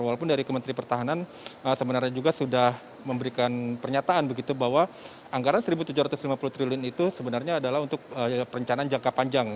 walaupun dari kementerian pertahanan sebenarnya juga sudah memberikan pernyataan begitu bahwa anggaran rp satu tujuh ratus lima puluh triliun itu sebenarnya adalah untuk perencanaan jangka panjang